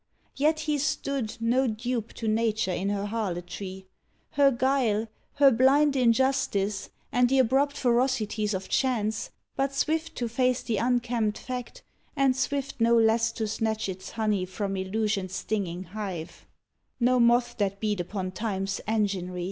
Yet he stood No dupe to Nature in her harlotry. Her guile, her blind injustice and the abrupt Ferocities of chance, but swift to face The unkempt fact, and swift no less to snatch Its honey from illusion's stinging hive — No moth that beat upon Time's enginery.